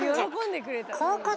あっ喜んでくれた。